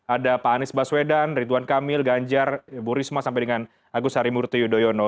ada pak anies baswedan ridwan kamil ganjar ibu risma sampai dengan agus harimurti yudhoyono